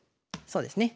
そうですね。